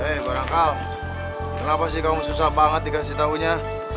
hei barangkal kenapa sih kamu susah banget dikasih tahunya